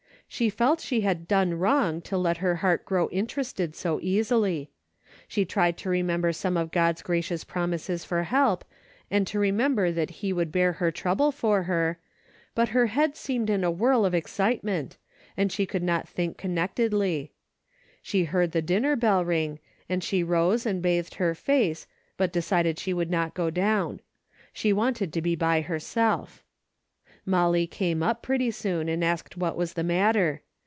She felt she had done wrong to let her heart grow in terested so easily. She trie4 to remember A DAILY RATE I' 323 some of God's gracious promises for help, and to remember that he would bear her trouble for her, but her head seemed in a whirl of ex citement and she could not think connectedly. She heard the dinner bell ring, and she rose and bathed her face, but decided she would not go down. She wanted to be by herself. Molly came up pretty soon and asked what was the matter.